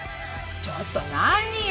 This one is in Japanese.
ちょっと何よ！